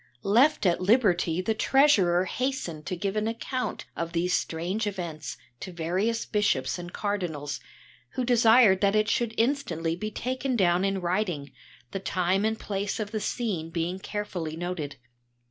Left at liberty the treasurer hastened to give an account of these strange events to various bishops and cardinals, who desired that it should instantly be taken down in writing, the time and place of the scene being carefully noted.